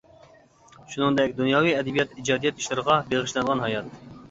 شۇنىڭدەك دۇنياۋى ئەدەبىيات ئىجادىيەت ئىشلىرىغا بېغىشلانغان ھايات!